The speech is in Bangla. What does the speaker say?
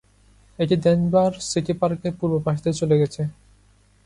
এটি ডেনভার সিটি পার্কের পূর্ব পাশ দিয়ে চলে গেছে।